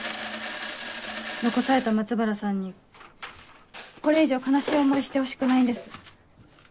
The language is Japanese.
残された松原さんにこれ以上悲しい思いしてほしくないんです。